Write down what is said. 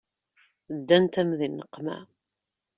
Ddant-am di nneqma.